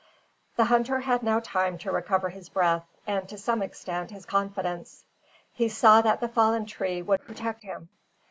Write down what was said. The hunter had now time to recover his breath, and, to some extent, his confidence. He saw that the fallen tree would protect him.